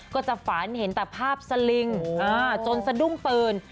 ก็จะฝันเห็นแต่ภาพสลิงจนสะดุ้งปืน